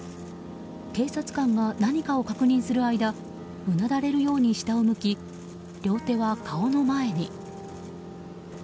警察官が何かを確認する間うなだれるように下を向き両手は顔の前に。